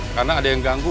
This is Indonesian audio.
karena ada yang ganggu